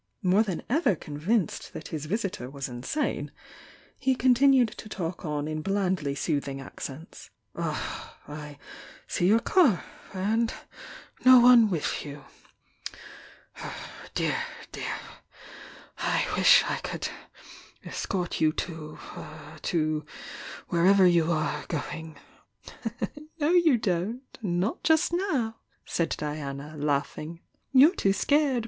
More than ever convinced that his visitor was insane, he con tinued to talk on in blandly soothins; accents; "Ah, I see your car? And no one with you? 842 THE YOUNG DIANA IT'' Dear, dear! I wish I could escort you to — to wher ever you are going " "No, you don't— not just now!" said Diana, laugh ing. "You're too scared!